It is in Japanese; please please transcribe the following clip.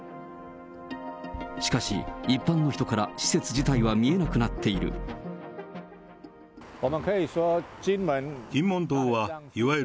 しかし、一般の人から施設自体は見えなくなっている。